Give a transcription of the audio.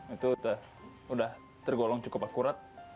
itu sudah tergolong cukup akurat